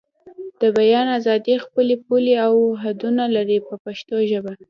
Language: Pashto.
د بیان ازادي خپلې پولې او حدونه لري په پښتو ژبه.